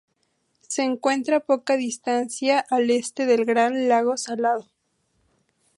Se encuentra a poca distancia al este del Gran Lago Salado.